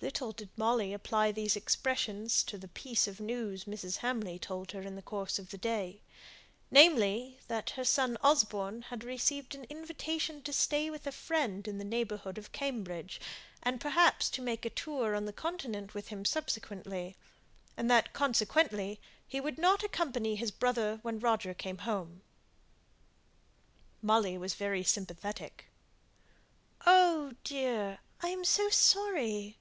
Little did Molly apply these expressions to the piece of news Mrs. Hamley told her in the course of the day; namely, that her son Osborne had received an invitation to stay with a friend in the neighbourhood of Cambridge, and perhaps to make a tour on the Continent with him subsequently; and that, consequently, he would not accompany his brother when Roger came home. Molly was very sympathetic. "Oh, dear! I am so sorry!"